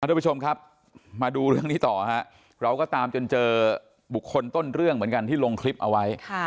ทุกผู้ชมครับมาดูเรื่องนี้ต่อฮะเราก็ตามจนเจอบุคคลต้นเรื่องเหมือนกันที่ลงคลิปเอาไว้